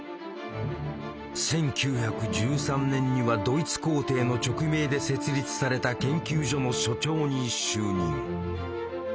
１９１３年にはドイツ皇帝の勅命で設立された研究所の所長に就任。